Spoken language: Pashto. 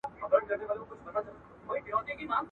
شهيد زما دی، د وېرژلو شيون زما دی.